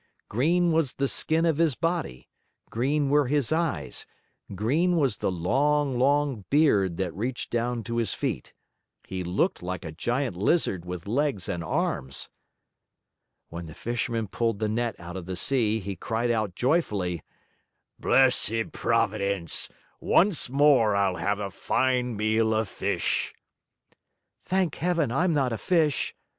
Green was the skin of his body, green were his eyes, green was the long, long beard that reached down to his feet. He looked like a giant lizard with legs and arms. When the Fisherman pulled the net out of the sea, he cried out joyfully: "Blessed Providence! Once more I'll have a fine meal of fish!" "Thank Heaven, I'm not a fish!"